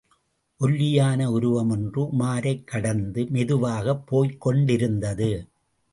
ஒல்லியான உருவமொன்று உமாரைக் கடந்து, மெதுவாகப் போய்க் கொண்டிருந்தது.